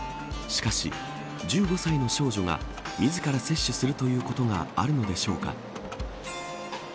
しかし、１５歳の少女が自ら摂取するということがあるのでしょうか。